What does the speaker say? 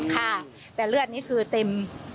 ค่ะแต่เลือดนี้คือเต็ม